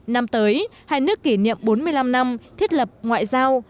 năm tới hai nước kỷ niệm bốn mươi năm năm thiết lập ngoại giao